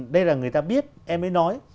đây là người ta biết em ấy nói